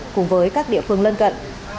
cùng với các địa phương lân cận